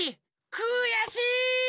くやしい！